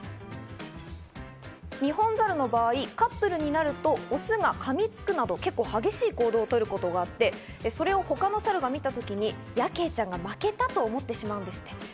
ニホンザルの場合、カップルになるとオスがかみつくなど、結構激しい行動をとることがあって、それを他のサルが見たときにヤケイちゃんが負けたと思ってしまうんでって。